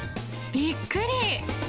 びっくり。